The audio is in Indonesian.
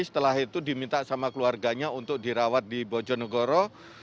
setelah itu diminta sama keluarganya untuk dirawat di bojonegoro